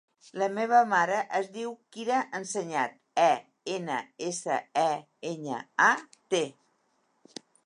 La meva mare es diu Kira Enseñat: e, ena, essa, e, enya, a, te.